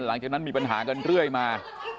หลังจากนั้นมีปัญหากันเรื่อยมา